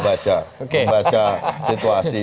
untuk membaca situasi